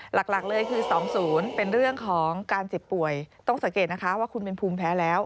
หลักเลยคือ๒๐เป็นเรื่องของการเจ็บป่วยต้องสังเกตนะคะว่าคุณเป็นภูมิแพ้แล้ว